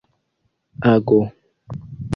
ago